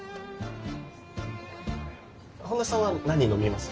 本田さんは何飲みます？